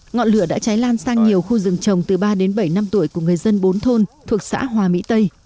ngọn lửa đã cháy lan sang nhiều khu rừng trồng từ ba đến bảy năm tuổi của người dân bốn thôn thuộc xã hòa mỹ tây